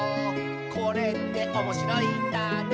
「これっておもしろいんだね」